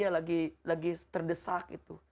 lagi terdesak gitu